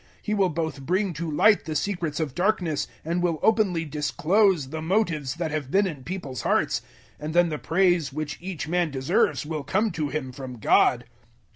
He will both bring to light the secrets of darkness and will openly disclose the motives that have been in people's hearts; and then the praise which each man deserves will come to him from God.